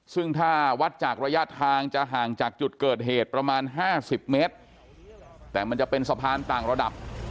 ซึ่งถ้าวัดจากระยะทางจะห่างจากจุดเกิดเหตุประมาณ๕๐เมตรแต่มันจะเป็นสะพานต่างระดับ